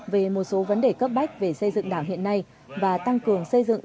về một số vấn đề cấp bách về xây dựng đảng hiện nay và tăng cường xây dựng